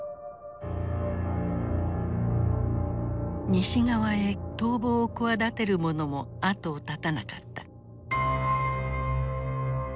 西側へ逃亡を企てる者も後を絶たなかった。